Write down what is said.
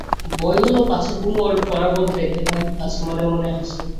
ভয় হল পাছে কুমু ওর পরাভব দেখতে পায়, পাছে মনে মনে হাসে।